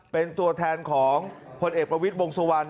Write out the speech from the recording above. เป็นตัวแทนของพลเอกประวิทย์วงสุวรรณ